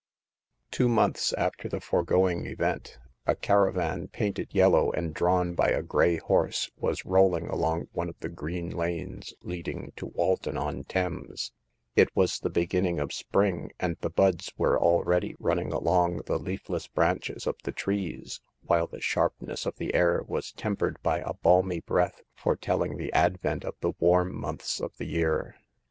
Two months after the foregoing event, a cara van, painted yellow and drawn by a gray horse, was rolling along one of the green lanes leading to Walton on Thames. It was the beginning of spring, and the buds were already running along the leafless branches of the trees, while the sharp ness of the air was tempered by a balmy breath foretelling the advent of the warm months of the year.